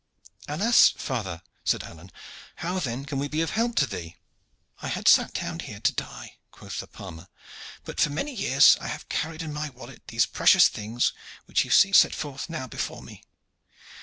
"Alas! father," said Alleyne, "how then can we be of help to thee?" "I had sat down here to die," quoth the palmer; "but for many years I have carried in my wallet these precious things which you see set forth now before me.